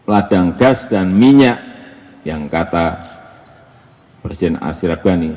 ladang gas dan minyak yang kata presiden ashraf ghani